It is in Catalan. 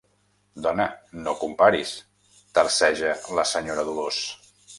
Dona, no comparis —terceja la senyora Dolors—.